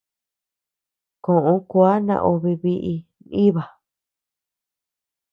Koʼö kua naobe biʼi naíba.